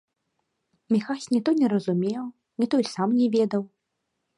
Міхась не то не разумеў, не то і сам не ведаў.